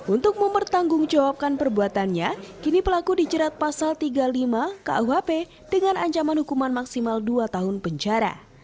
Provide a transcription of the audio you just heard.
untuk mempertanggungjawabkan perbuatannya kini pelaku dijerat pasal tiga puluh lima kuhp dengan ancaman hukuman maksimal dua tahun penjara